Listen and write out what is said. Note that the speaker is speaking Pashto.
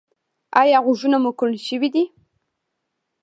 ایا غوږونه مو کڼ شوي دي؟